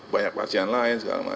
banyak pasien lain segala macam gitu